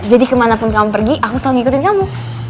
jadi kemana pun kamu pergi aku selalu ngikutin kamu